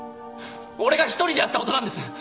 俺が一人でやったことなんです！